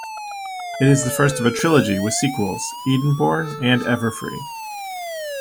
It is the first of a trilogy, with sequels "Edenborn" and "Everfree".